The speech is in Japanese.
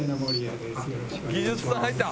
技術さん入った！